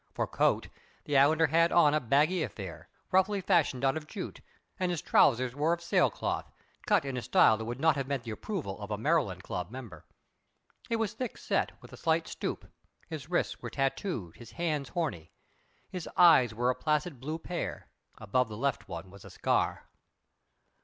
For coat the islander had on a baggy affair, roughly fashioned out of jute, and his trousers were of sailcloth, cut in a style that would not have met the approval of a Maryland Club member. He was thick set, with a slight stoop. His wrists were tattooed, his hands horny. His eyes were a placid blue pair. Above the left one was a scar.